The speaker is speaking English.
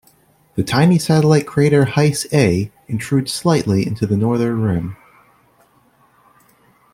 The tiny satellite crater Heis A intrudes slightly into the northern rim.